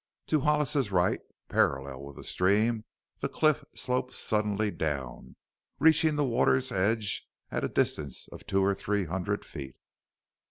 To Hollis's right, parallel with the stream, the cliff sloped suddenly down, reaching the water's edge at a distance of two or three hundred feet.